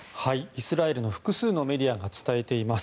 イスラエルの複数のメディアが伝えています。